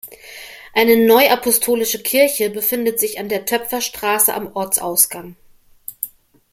Eine "Neuapostolische Kirche" befindet sich an der Töpferstraße am Ortsausgang.